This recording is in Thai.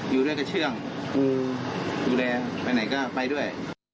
อยู่ด้วยก็เชื่องกูดูแลไปไหนก็ไปด้วย